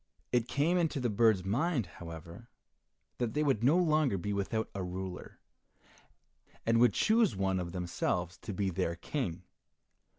It came into the bird's mind, however, that they would no longer be without a ruler, and would choose one of themselves to be their King.